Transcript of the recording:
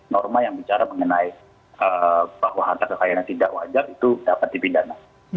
norma yang bicara mengenai bahwa harta kekayaan yang tidak wajar itu dapat dipidana